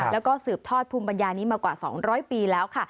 แล้วก็สืบทอดภูมิปัญญานี้มากว่า๒๐๐ปีแล้วค่ะ